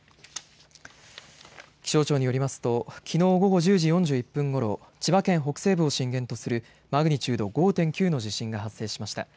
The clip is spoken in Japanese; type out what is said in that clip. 気象庁によりますときのう午後１０時４１分ごろ千葉県北西部を震源とするマグニチュード５．９の地震が発生しました。